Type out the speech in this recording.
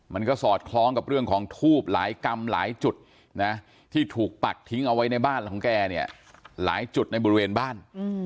มันก็สอดคล้องกับเรื่องของทูบหลายกรรมหลายจุดนะที่ถูกปักทิ้งเอาไว้ในบ้านของแกเนี่ยหลายจุดในบริเวณบ้าน